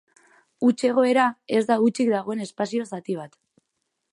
Huts-egoera ez da hutsik dagoen espazio-zati bat.